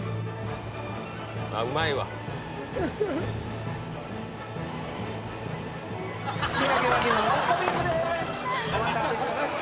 「うまいわ」お待たせしました。